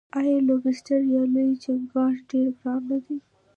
آیا لوبسټر یا لوی چنګاښ ډیر ګران نه دی؟